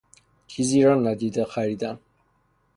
چیزی را ندیده خریدن